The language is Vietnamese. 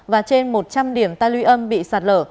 và trên một trăm linh điểm taluy âm bị sạt lở